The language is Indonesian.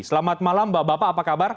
selamat malam bapak bapak apa kabar